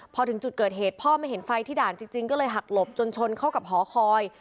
พอถึงจุดเกิดเหตุพ่อไม่เห็นไฟที่ด่านจริงก็เลยหักหลบจนชนเข้ากับหอคอย